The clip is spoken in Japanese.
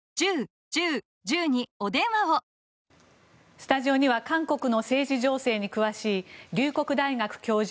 スタジオには韓国の政治情勢に詳しい龍谷大学教授